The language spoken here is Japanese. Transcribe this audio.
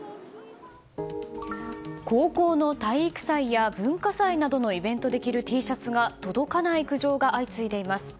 高校の体育祭や文化祭などのイベントで着るＴシャツが届かない苦情が相次いでいます